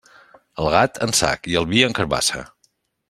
El gat en sac i el vi en carabassa.